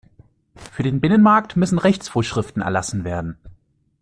Für den Binnenmarkt müssen Rechtsvorschriften erlassen werden.